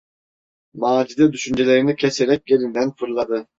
Macide düşüncelerini keserek yerinden fırladı.